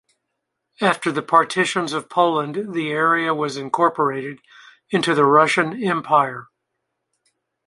After the Partitions of Poland the area was incorporated into the Russian Empire.